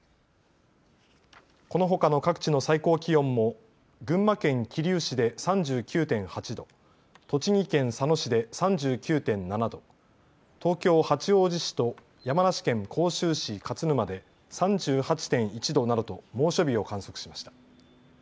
このほかの各地の最高気温も群馬県桐生市で３９．８度、栃木県佐野市で３９．７度、東京八王子市と山梨県甲州市勝沼で３８．１度などと猛暑日を観測しました。